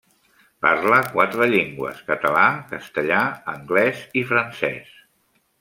Parla quatre llengües: català, castellà, anglès i francès.